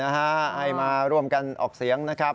ให้มาร่วมกันออกเสียงนะครับ